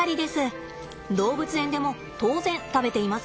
動物園でも当然食べていますよ。